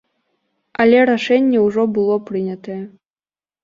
Але рашэнне ўжо было прынятае.